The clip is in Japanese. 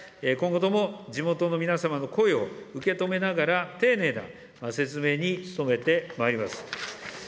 今後とも地元の皆様の声を受け止めながら、丁寧な説明に努めてまいります。